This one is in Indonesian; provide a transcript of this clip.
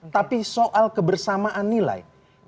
tapi soal kebersamaan nilai